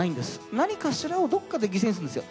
何かしらをどっかで犠牲にするんですよ。